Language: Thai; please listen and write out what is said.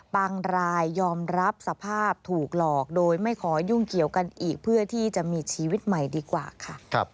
รายยอมรับสภาพถูกหลอกโดยไม่ขอยุ่งเกี่ยวกันอีกเพื่อที่จะมีชีวิตใหม่ดีกว่าค่ะ